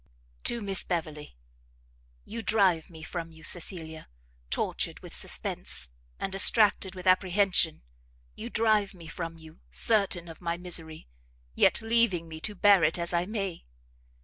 To Miss Beverley. You drive me from you, Cecilia, tortured with suspense, and distracted with apprehension, you drive me from you, certain of my misery, yet leaving me to bear it as I may!